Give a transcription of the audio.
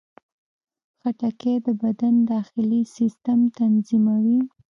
خټکی د بدن داخلي سیستم تنظیموي.